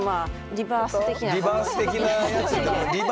リバース的な。